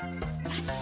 よし！